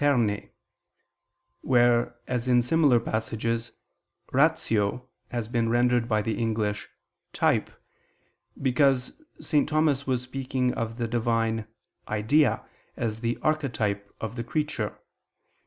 2, 3, where as in similar passages ratio has been rendered by the English type, because St. Thomas was speaking of the Divine idea as the archetype of the creature.